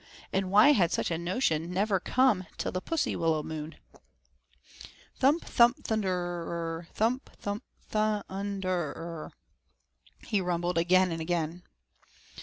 And why had such a notion never come till the Pussywillow Moon? 'Thump, thump, thunder r r r r r rrrr' 'Thump, thump, thunder r r r r r rrrr' he rumbled again and again.